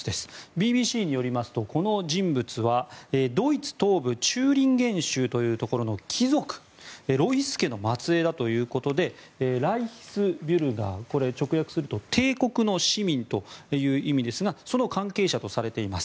ＢＢＣによりますとこの人物はドイツ東部チューリンゲン州というところのロイス家の末裔だということでライヒスビュルガー、直訳すると帝国の市民という意味ですがその関係者とされています。